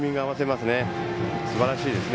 すばらしいですね。